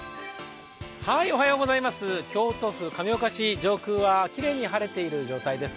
京都府亀岡市、上空はきれいに晴れている状態です。